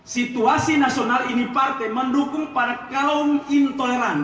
situasi nasional ini partai mendukung para kaum intoleran